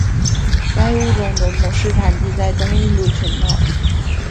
该物种的模式产地在东印度群岛。